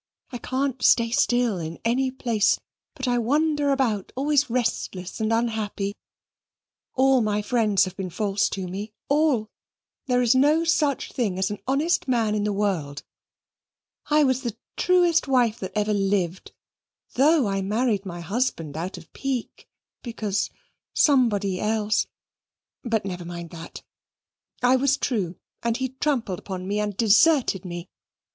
I can't stay still in any place, but wander about always restless and unhappy. All my friends have been false to me all. There is no such thing as an honest man in the world. I was the truest wife that ever lived, though I married my husband out of pique, because somebody else but never mind that. I was true, and he trampled upon me and deserted me.